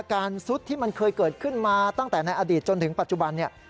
ซุดที่มันเคยเกิดขึ้นมาตั้งแต่ในอดีตจนถึงปัจจุบันเนี่ย